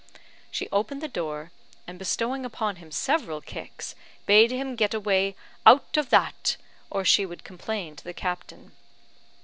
She opened the door, and bestowing upon him several kicks, bade him get away "out of that," or she would complain to the captain.